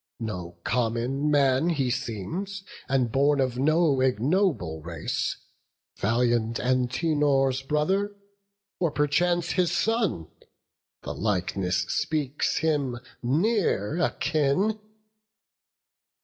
no common man He seems, and born of no ignoble race; Valiant Antenor's brother, or perchance His son; the likeness speaks him near akin."